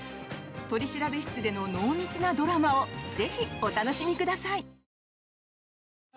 取調室での濃密なドラマをぜひ、お楽しみください！